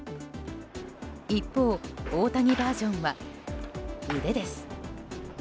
一方、大谷バージョンは腕です。